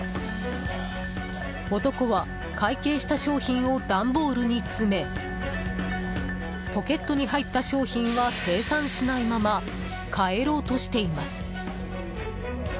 男は会計した商品を段ボールに詰めポケットに入った商品は精算しないまま帰ろうとしています。